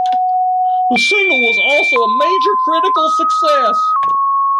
The single was also a major critical success.